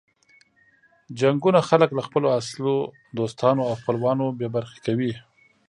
جنګونه خلک له خپلو اصلو دوستانو او خپلوانو بې برخې کوي.